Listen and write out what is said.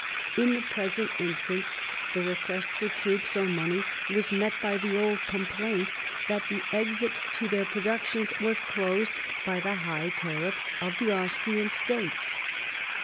In the present instance, the request for troops or money was met by the old complaint that the exit to their productions was closed by the high tariffs of the Austrian states.